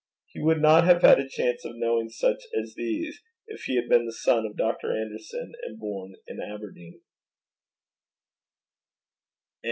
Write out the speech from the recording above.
He would not have had a chance of knowing such as these if he had been the son of Dr. Anderson and born in Aberdeen.